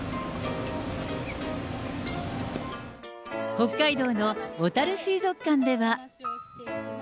北海道のおたる水族館では。